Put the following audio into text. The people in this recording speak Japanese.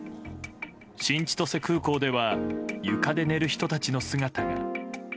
新千歳空港では床で寝る人たちの姿が。